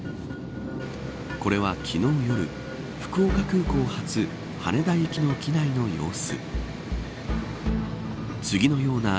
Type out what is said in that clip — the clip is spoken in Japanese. これは昨日、夜福岡空港発羽田行きの機内の様子。